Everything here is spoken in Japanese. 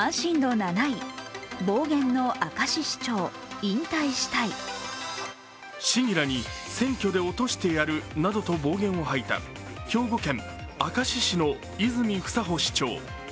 市議らに、選挙で落としてやるなどと暴言を吐いた兵庫県明石市の泉房穂市長。